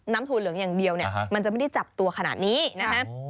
ถั่วเหลืองอย่างเดียวเนี่ยมันจะไม่ได้จับตัวขนาดนี้นะครับ